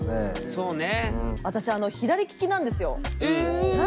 そうね。